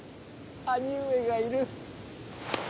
兄上がいる。